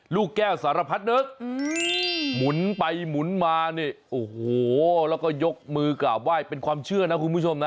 ลูกแก้วสารพัดนึกหมุนไปหมุนมาเนี่ยโอ้โหแล้วก็ยกมือกราบไหว้เป็นความเชื่อนะคุณผู้ชมนะ